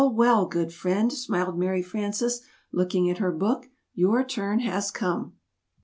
Well! Good friend," smiled Mary Frances, looking at her book, "your turn has come!"